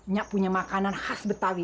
gak punya makanan khas betawi